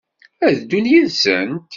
Ad ddun yid-sent?